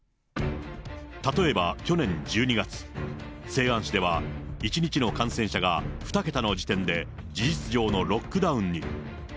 例えば去年１２月、西安市では１日の感染者が２桁の時点で、事実上のロックダウンに。